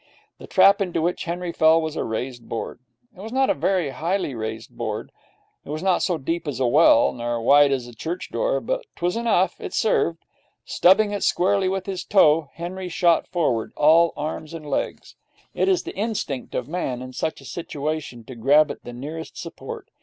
The trap into which Henry fell was a raised board. It was not a very highly raised board. It was not so deep as a well, nor so wide as a church door, but 'twas enough it served. Stubbing it squarely with his toe, Henry shot forward, all arms and legs. It is the instinct of Man, in such a situation, to grab at the nearest support.